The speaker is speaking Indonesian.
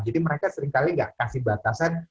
jadi mereka seringkali gak kasih batasan